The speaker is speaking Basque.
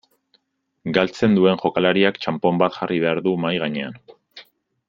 Galtzen duen jokalariak txanpon bat jarri behar du mahai gainean.